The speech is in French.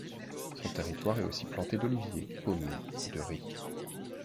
Son territoire est aussi planté d'oliviers, pommiers et de riz.